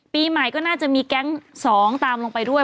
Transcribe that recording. ปีใหม่ก็น่าจะมีแก๊ง๒ตามลงไปด้วย